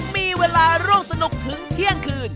มีเวลาร่วมสนุกถึงเที่ยงคืน